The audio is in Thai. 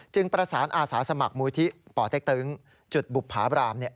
จึงประสานอาสาสมัครมูลที่ปเต๊กตึงจุดบุพราบรามเนี่ย